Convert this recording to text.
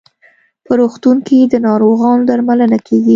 په روغتون کې د ناروغانو درملنه کیږي.